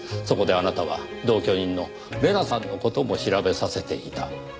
そこであなたは同居人の玲奈さんの事も調べさせていた。